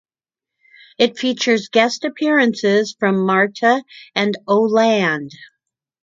It features guest appearances from Marta and Oh Land.